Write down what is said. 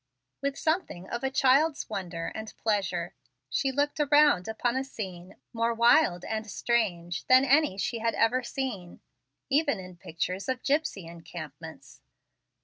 With something of a child's wonder and pleasure, she looked around upon a scene more wild and strange than any she had ever seen, even in pictures of gypsy encampments.